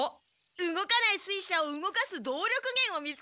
動かない水車を動かす動力源を見つけたんだ。